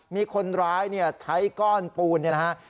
มีคนร้ายใช้ก้อนปูน